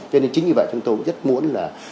cho nên chính vì vậy chúng tôi cũng rất muốn là